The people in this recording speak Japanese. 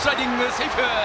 セーフ！